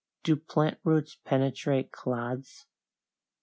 Do plant roots penetrate clods?